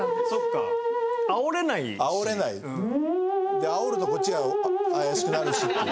であおるとこっちが怪しくなるしっていう。